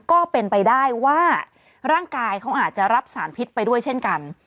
ก็เป็นไปได้ว่าร่างกายเขาอาจจะรับสารพิษไปด้วยเช่นกัน